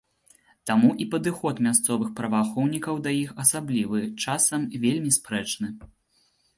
Таму і падыход мясцовых праваахоўнікаў да іх асаблівы, часам, вельмі спрэчны.